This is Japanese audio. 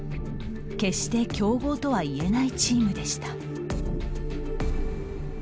決して強豪とはいえないチームでした。